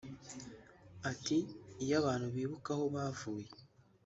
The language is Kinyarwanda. Ati "Iyo abantu bibuka aho bavuye